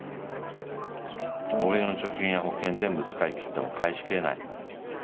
俺の貯金や保険全部使いきっても返しきれない。